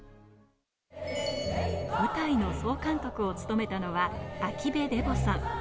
舞台の総監督を務めたのは秋辺デボさん。